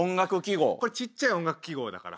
小っちゃい音楽記号だから。